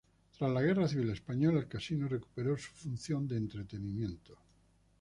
Tras la Guerra Civil Española, el Casino recuperó su función de entretenimiento.